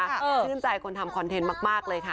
ชื่นใจคนทำคอนเทนต์มากเลยค่ะ